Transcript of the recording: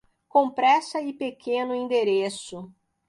Com pressa e pequeno endereço.